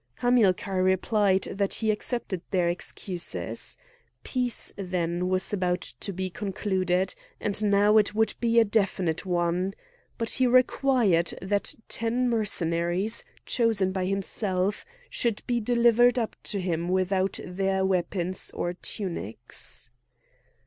Hamilcar replied that he accepted their excuses. Peace, then, was about to be concluded, and now it would be a definitive one! But he required that ten Mercenaries, chosen by himself, should be delivered up to him without weapons or tunics.